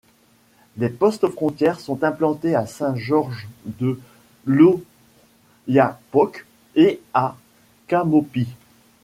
Des postes frontières sont implantés à Saint-Georges-de-l'Oyapock et à Camopi.